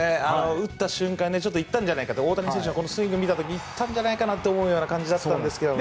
打った瞬間行ったんじゃないかと大谷選手のスイングを見た時に行ったんじゃないかと思うような感じだったんですけどね。